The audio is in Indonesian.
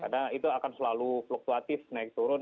karena itu akan selalu fluktuatif naik turun